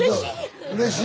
うれしい？